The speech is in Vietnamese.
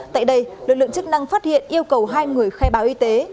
tại đây lực lượng chức năng phát hiện yêu cầu hai người khai báo y tế